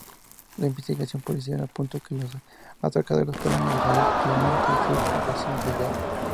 La investigación policial apuntó que los atracadores fueron Israel Clemente y Xurxo García Vidal.